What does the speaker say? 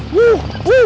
uh uh uh